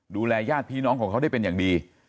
ญาติพี่น้องของเขาได้เป็นอย่างดี